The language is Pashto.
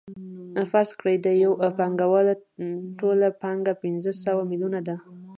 فرض کړئ د یو پانګوال ټوله پانګه پنځه سوه میلیونه ده